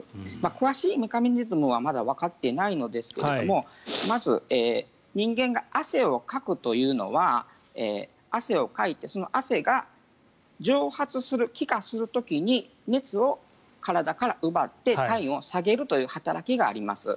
詳しいメカニズムはまだわかっていないのですけれどもまず人間が汗をかくというのは汗をかいて、その汗が蒸発する、気化する時に熱を体から奪って体温を下げるという働きがあります。